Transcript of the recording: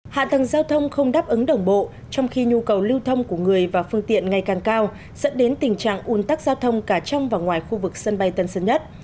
hạ tầng giao thông không đáp ứng đồng bộ trong khi nhu cầu lưu thông của người và phương tiện ngày càng cao dẫn đến tình trạng un tắc giao thông cả trong và ngoài khu vực sân bay tân sơn nhất